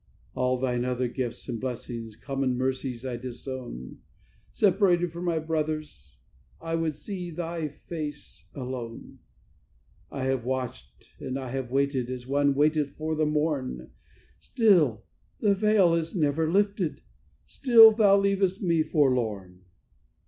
"All Thine other gifts and blessings, common mercies, I disown; Separated from my brothers, I would see Thy face alone. "I have watched and I have waited as one waiteth for the morn: Still the veil is never lifted, still Thou leavest me forlorn.